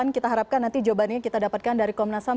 kita harapkan nanti jawabannya kita dapatkan dari komnas ham